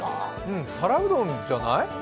うん、皿うどんじゃない？